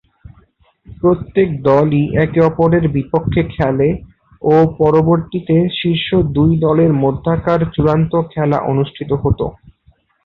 প্রত্যেক দলই একে-অপরের বিপক্ষে খেলে ও পরবর্তীতে শীর্ষ দুই দলের মধ্যকার চূড়ান্ত খেলা অনুষ্ঠিত হতো।